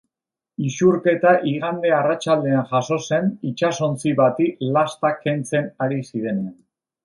Isurketa igande arratsaldean jazo zen, itsasontzi bati lasta kentzen ari zirenean.